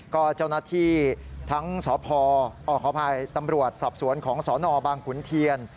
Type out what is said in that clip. ก็เจ้าหน้าที่ทั้งสพขออภัยตำรวจสอบสวนของสนบางขุนเทียน